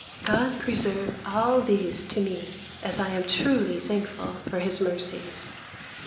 God preserve all these to me, as I am truly thankful for his mercies!